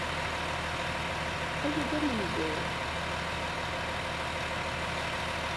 Aya d amenzug!